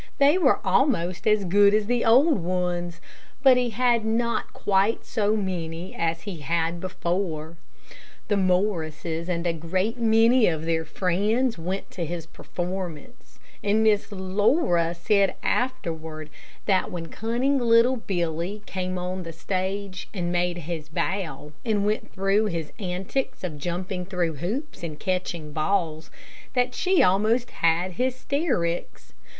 They were almost as good as the old ones, but he had not quite so many as he had before. The Morrises and a great many of their friends went to his performance, and Miss Laura said afterward, that when cunning little Billy came on the stage, and made his bow, and went through his antics of jumping through hoops, and catching balls, that she almost had hysterics.